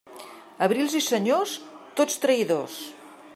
Abrils i senyors, tots traïdors.